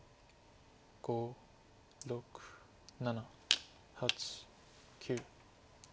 ５６７８９。